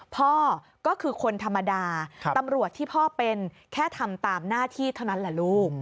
พ่อก็คือคนธรรมดาตำรวจที่พ่อเป็นแค่ทำตามหน้าที่เท่านั้นแหละลูก